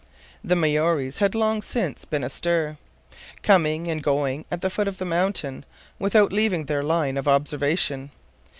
The Maories had long since been astir, coming and going at the foot of the mountain, without leaving their line of observation.